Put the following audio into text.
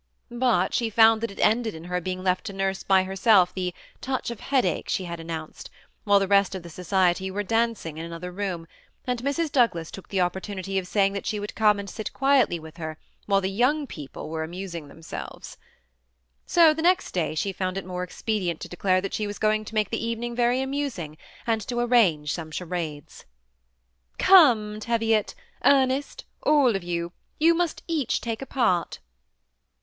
But she found that it ended in her being left to nurse by herself " the touch of headache " she had announced, while the rest of the society were dancing in an other room, and Mrs. Douglas took the opportunity of saying that she would come and sit quietly with her while the young people were amusing themselves. So the next day she found it more expedient to declare that she was going to make the evening very amusing, and to arrange some charades. " Come, Teviot, Ernest, all of you, you must each take a part."